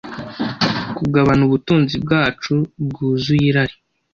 kugabana ubutunzi bwacu bwuzuye irari